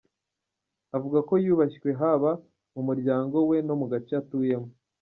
Avuga ko yubashywe haba mu muryango we no mu gace atuyemo.